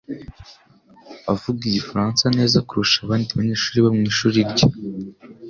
avuga igifaransa neza kurusha abandi banyeshuri bo mu ishuri rye.